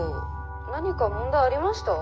「何か問題ありました？」。